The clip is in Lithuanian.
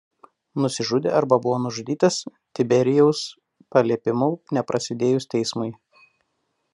Nusižudė arba buvo nužudytas Tiberijaus paliepimu neprasidėjus teismui.